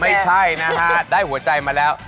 ไม่ใช่นะฮะได้หัวใจมาแล้ว